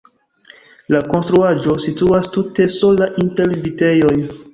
La konstruaĵo situas tute sola inter vitejoj.